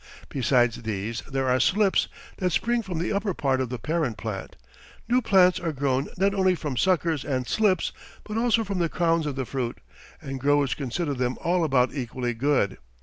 Besides these there are slips, that spring from the upper part of the parent plant. New plants are grown not only from suckers and slips, but also from the crowns of the fruit, and growers consider them all about equally good.